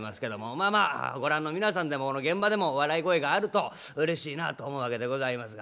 まあまあご覧の皆さんでも現場でも笑い声があるとうれしいなあと思うわけでございますが。